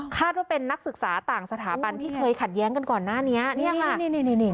ว่าเป็นนักศึกษาต่างสถาบันที่เคยขัดแย้งกันก่อนหน้านี้เนี่ยค่ะนี่นี่